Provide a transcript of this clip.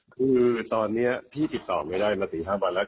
คือตอนเนี่ยพี่ผิดต่อไปได้มา๑๕บาทแล้ว